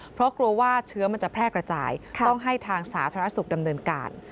เพราะกลัวว่าเชื้อมันจะแพร่กระจายต้องให้ทางสาธารณสุขดำเนินการ